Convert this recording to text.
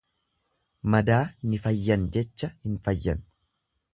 Madaa ni fayyan jecha hin fayyan.